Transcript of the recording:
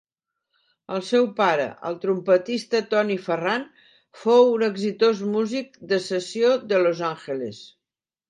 El seu pare, el trompetista Tony Ferran, fou un exitós músic de sessió de Los Angeles.